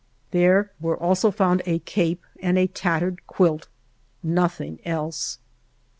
There were also found a cape and a tattered quilt, nothing else.